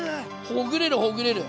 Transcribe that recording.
ほぐれるほぐれる！